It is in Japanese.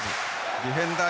ディフェンダー